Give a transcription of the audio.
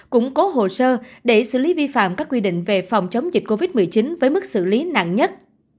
củng cố hồ sơ để xử lý vi phạm các quy định về phòng chống dịch covid một mươi chín với mức xử lý nặng nhất